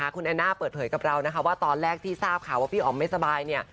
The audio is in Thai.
คุณแอนน่าเปิดเผยกับเราว่าตอนแรกที่ทราบค่ะว่าพี่ออมไม่สบาย